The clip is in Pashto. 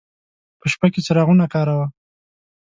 په شپه کې څراغونه کاروه.